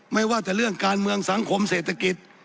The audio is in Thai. ไม่ว่าจะเรื่องการเมืองสังคมเศรษฐกิจ